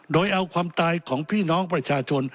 โดยเอาความตายของพี่น้องประชาชน